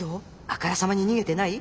あからさまに逃げてない？